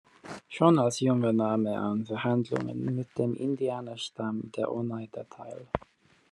Schon als Junge nahm er an Verhandlungen mit dem Indianerstamm der Oneida teil.